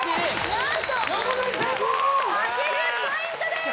何と８０ポイントです！